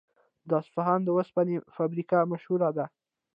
د اصفهان د وسپنې فابریکه مشهوره ده.